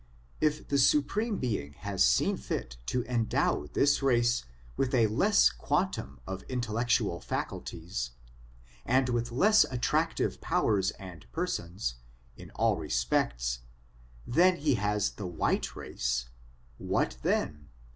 If the Supreme Being has seen fit to endow this race with a less quantum of intellectual faculties, and with less attractive powers and persons, in all re spects, than he has the white race — what then